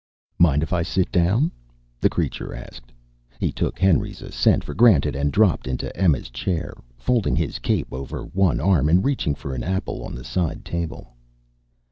"Mind if I sit down?" the creature asked. He took Henry's assent for granted and dropped into Emma's chair, folding his cape over one arm and reaching for an apple on the side table.